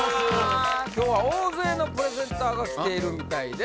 今日は大勢のプレゼンターが来ているみたいです